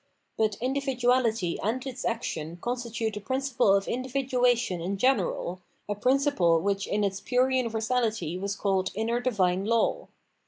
But individuahty and its action constitute the principle of individuation in general, a principle which in its pure universality was called inner d.ivine law.